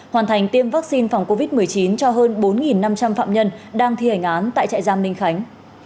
hoàn thành tiêm vaccine phòng covid một mươi chín cho hơn bốn năm trăm linh phạm nhân đang thi hành án tại trại giam ninh khánh